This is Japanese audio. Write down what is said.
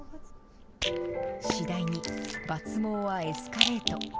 次第に抜毛はエスカレート。